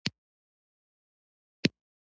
ترموز د پارک ناستو ملګری دی.